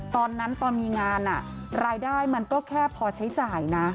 ตอนนั้นตอนมีงานรายได้มันก็แค่พอใช้จ่ายนะ